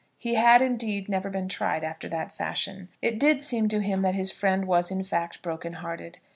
He had, indeed, never been tried after that fashion. It did seem to him that his friend was in fact broken hearted.